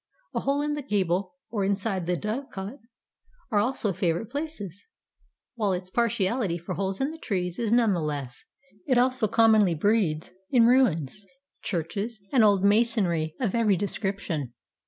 A hole in the gable or inside the dovecot are also favorite places, while its partiality for holes in the trees is none the less. It also commonly breeds in ruins, churches, and old masonry of every description.